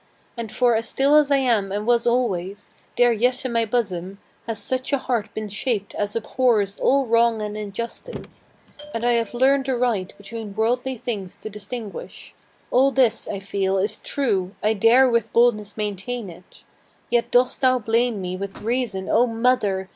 And, for as still as I am and was always, there yet in my bosom Has such a heart been shaped as abhors all wrong and injustice; And I have learned aright between worldly things to distinguish. Arm and foot, besides, have been mightily strengthened by labor. All this, I feel, is true: I dare with boldness maintain it. Yet dost thou blame me with reason, O mother!